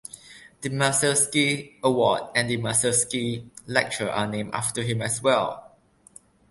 The Masursky Award and the Masursky Lecture are named after him as well.